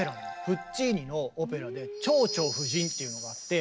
プッチーニのオペラで「蝶々夫人」っていうのがあって。